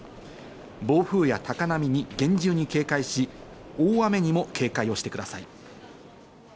暴風や高波に厳重に警戒し、大雨にも警戒をしてください。